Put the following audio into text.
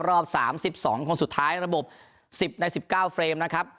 รอบสามสิบสองคนสุดท้ายระบบสิบในสิบเก้าเฟรมนะครับ